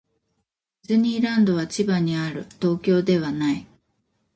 ディズニーランドは千葉にある。東京ではない。